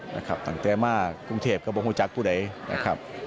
นะครับตั้งแต่มากรุงเทพฯกระบวงภูมิจักรตัวเด้ยนะครับ